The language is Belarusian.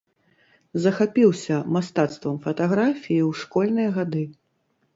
Захапіўся мастацтвам фатаграфіі ў школьныя гады.